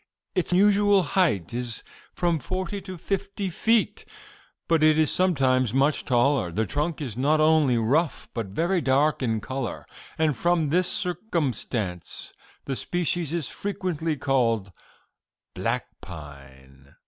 Its usual height is from forty to fifty feet, but it is sometimes much taller. The trunk is not only rough, but very dark in color; and from this circumstance the species is frequently called black pine.